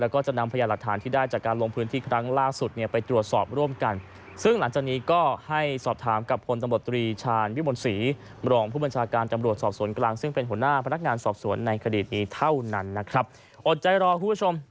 คดีดนี้เท่านั้นนะครับอดใจรอคุณผู้ชม